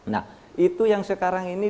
nah itu yang sekarang ini